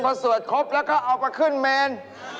พอสวดครบแล้วก็เอามาขึ้นเมน